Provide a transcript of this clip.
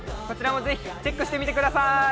こちらもぜひ、チェックしてください！